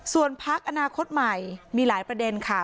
ส่วนพักอนาคตใหม่มีหลายประเด็นค่ะ